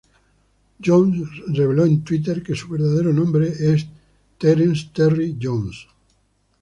Jones reveló en Twitter que su verdadero nombre es Terence "Terry" Jones.